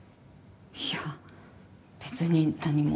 いやべつに何も。